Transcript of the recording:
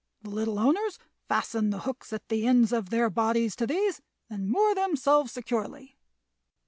The little owners fasten the hooks at the ends of their bodies to these and moor themselves securely."